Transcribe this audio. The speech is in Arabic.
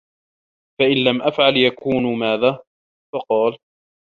فَإِنْ لَمْ أَفْعَلْ يَكُونُ مَاذَا ؟ فَقَالَ